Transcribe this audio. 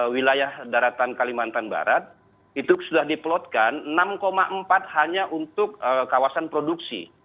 wilayah daratan kalimantan barat itu sudah diplotkan enam empat hanya untuk kawasan produksi